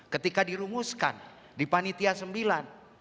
ketika dirumuskan di panitia sembilan